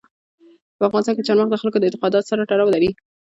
په افغانستان کې چار مغز د خلکو د اعتقاداتو سره تړاو لري.